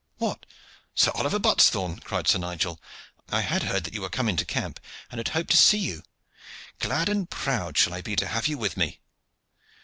"What! Sir Oliver Buttesthorn!" cried Sir Nigel. "I had heard that you were come into camp, and had hoped to see you. Glad and proud shall I be to have you with me."